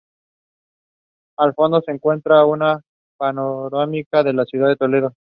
Al fondo se encuentra una panorámica de la ciudad de Toledo.